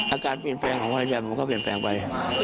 อาการเปลี่ยนแปลงของภรรยาผมก็เปลี่ยนแปลงไป